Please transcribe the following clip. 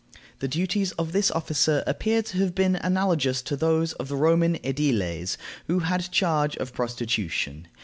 The duties of this officer appear to have been analogous to those of the Roman ædiles who had charge of prostitution.